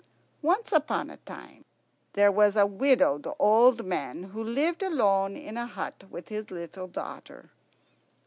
Once upon a time there was a widowed old man who lived alone in a hut with his little daughter.